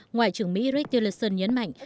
ngoại trưởng mỹ rex tillerson nhấn mạnh